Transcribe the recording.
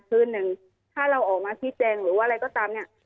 คือหนึ่งถ้าเราออกมาชี้แจงหรือว่าอะไรก็ตามเนี่ย